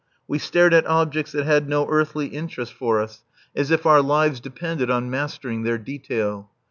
We stared at objects that had no earthly interest for us as if our lives depended on mastering their detail.